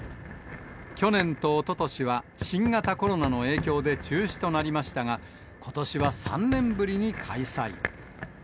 去年とおととしは新型コロナの影響で中止となりましたが、ことしは３年ぶりに開催。